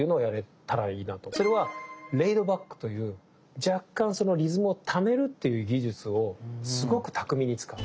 それはレイドバックという若干そのリズムを「タメる」っていう技術をすごく巧みに使う。